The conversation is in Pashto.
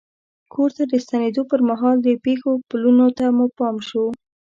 کور ته د ستنېدو پر مهال د پښو پلونو ته مو پام شو.